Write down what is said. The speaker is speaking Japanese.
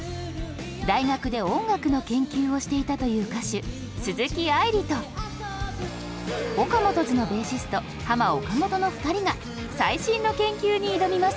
大学で音楽の研究をしていたという歌手鈴木愛理とＯＫＡＭＯＴＯ’Ｓのベーシストハマ・オカモトの２人が最新の研究に挑みます！